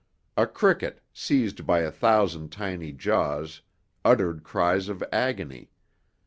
A cricket, seized by a thousand tiny jaws, uttered cries of agony.